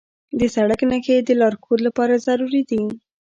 د سړک نښې د لارښود لپاره ضروري دي.